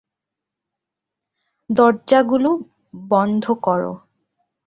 দরজাগুলো বন্ধ কর।